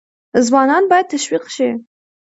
ځوانان باید تشویق شي.